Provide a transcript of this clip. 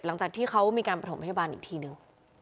หลังจากที่เขามีการประถมพยาบาลอีกทีนึง